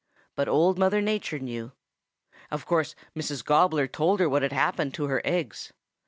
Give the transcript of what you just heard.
"But Old Mother Nature knew. Of course Mrs. Gobbler told her what had happened to her eggs.